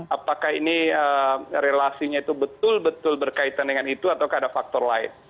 apakah ini relasinya itu betul betul berkaitan dengan itu atau ada faktor lain